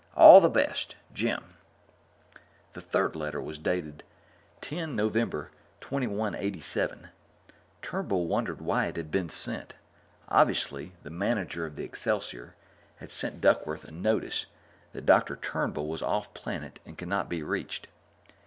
All the best, Jim The third letter was dated 10 November 2187. Turnbull wondered why it had been sent. Obviously, the manager of the Excelsior had sent Duckworth a notice that Dr. Turnbull was off planet and could not be reached.